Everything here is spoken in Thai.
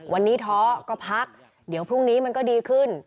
วันนี้ท้อก็พักเดี๋ยวพรุ่งนี้มันก็ดีขึ้น